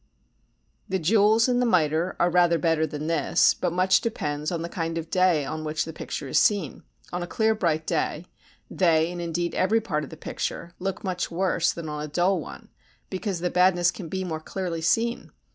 The jewels in the mitre are rather better than this, but much depends upon the kind of day on which the picture is seen; on a clear bright day they, and indeed every part of the picture, look much worse than on a dull one because the badness can be more clearly seen.